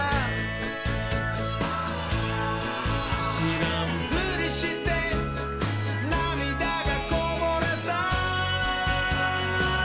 「しらんぷりしてなみだがこぼれた」